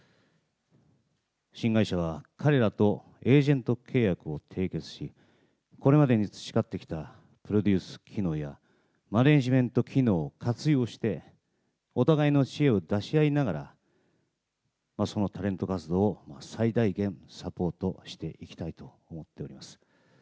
新会社は、彼らとエージェント契約を締結し、これまでに培ってきたプロデュース機能やマネージメント機能を活用して、お互いの知恵を出し合いながら、そのタレント活動を最大限サポートしていきたいと思っております。